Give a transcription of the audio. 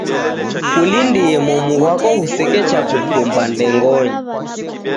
Kulindie momu ghwako ghusechekukumba ndengonyi.